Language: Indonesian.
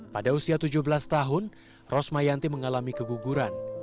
pada usia tujuh belas tahun rosmayanti mengalami keguguran